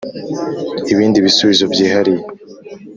ibindi bisubizo byihariye.